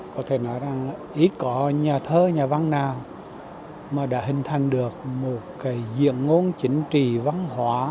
có thể nói rằng ít có nhà thơ nhà văn nào mà đã hình thành được một cái diện ngôn chính trị văn hóa